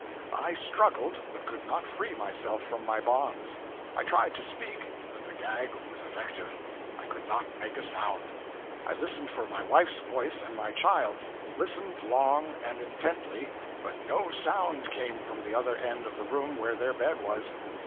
I struggled, but could not free myself from my bonds. I tried to speak, but the gag was effective; I could not make a sound. I listened for my wife's voice and my child's listened long and intently, but no sound came from the other end of the room where their bed was.